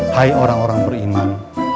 hai orang orang beriman